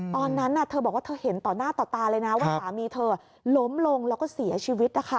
ตอนนั้นเธอบอกว่าเธอเห็นต่อหน้าต่อตาเลยนะว่าสามีเธอล้มลงแล้วก็เสียชีวิตนะคะ